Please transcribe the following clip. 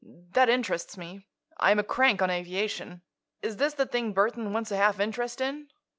That interests me. I'm a crank on aviation. Is this the thing Burthon wants a half interest in?"